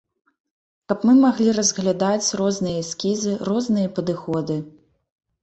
Каб мы маглі разглядаць розныя эскізы, розныя падыходы.